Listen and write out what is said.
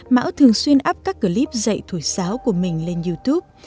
mão thường xuyên up các clip dạy thổi sáo của mình lên youtube